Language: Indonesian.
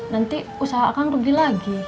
nanti usaha akan rugi lagi